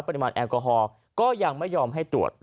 ปริมาณแอลกอฮอล์ก็ยังไม่ยอมให้ตรวจ